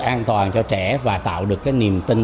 an toàn cho trẻ và tạo được cái niềm tin